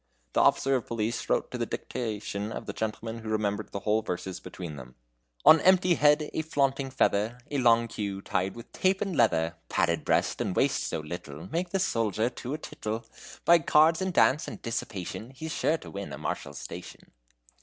The officer of police wrote to the dictation of the gentlemen who remembered the whole verses between them: "On empty head a flaunting feather, A long queue tied with tape and leather; Padded breast and waist so little, Make the soldier to a tittle; By cards and dance, and dissipation, He's sure to win a Marshal's station."